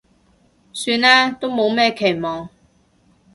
算啦，都冇咩期望